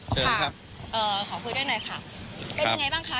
เชิญครับเอ่อขอคุยด้วยหน่อยค่ะครับเป็นยังไงบ้างคะ